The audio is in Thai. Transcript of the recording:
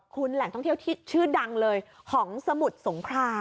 คุณแหล่งท่องเที่ยวที่ชื่อดังเลยของสมุทรสงคราม